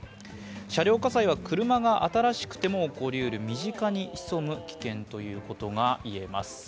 車両火災は車が新しくても起こりうる身近に潜む危険と言えます。